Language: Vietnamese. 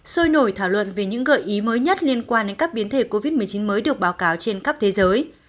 sôi nổi thảo luận về những gợi ý mới nhất liên quan đến các biến thể covid một mươi chín mới được báo cáo trên khắp thế giới